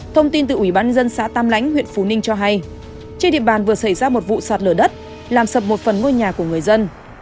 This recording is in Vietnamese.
thông tin từ ủy ban dân xã tam lãnh huyện phú ninh cho hay trên địa bàn vừa xảy ra một vụ sạt lở đất làm sập một phần ngôi nhà của người dân